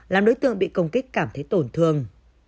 làm đối tượng bị công kích cảm thấy tổn thương